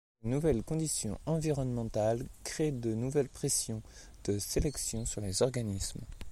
Ces nouvelles conditions environnementales créent de nouvelles pressions de sélection sur les organismes.